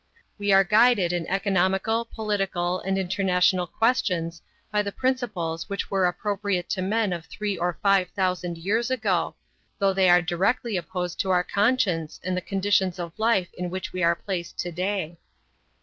We are guided in economical, political, and international questions by the principles which were appropriate to men of three or five thousand years ago, though they are directly opposed to our conscience and the conditions of life in which we are placed to day.